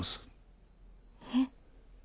えっ？